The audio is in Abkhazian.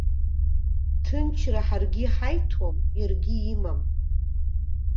Ҭынчра ҳаргьы иҳаиҭом, иаргьы имам.